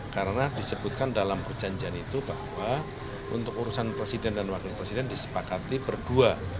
karena disebutkan dalam perjanjian itu bahwa untuk urusan presiden dan wakil presiden disepakati berdua